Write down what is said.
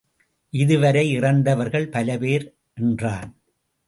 இதுவரை இறந்தவர்கள் பலபேர் என்றான்.